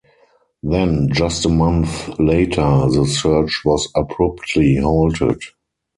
Then just a month later, the search was abruptly halted.